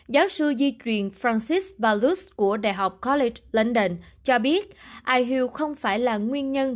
giáo sư di truyền francis valluz của đại học college london cho biết ihu không phải là nguyên nhân